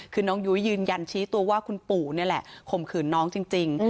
คือน้องยุ้ยยืนยันชี้ตัวว่าคุณปู่นี่แหละข่มขืนน้องจริง